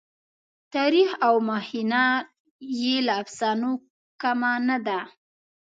تاریخ او مخینه یې له افسانو کمه نه ده.